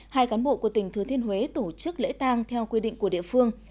hai cán bộ của tỉnh thừa thiên huế tổ chức lễ tang theo quy định của địa phương